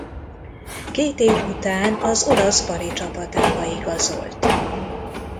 Két év után az olasz Bari csapatába igazolt.